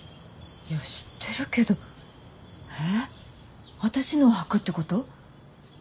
知ってるけどえっ私のをはくってこと？